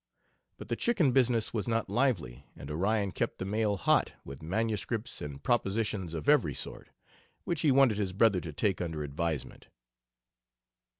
But the chicken business was not lively and Orion kept the mail hot with manuscripts and propositions of every sort, which he wanted his brother to take under advisement.